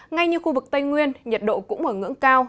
ngay như khu vực tây nguyên nhiệt độ cũng ở ngưỡng cao